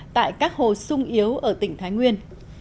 tại các hồ sung yếu ở tỉnh thái nguyên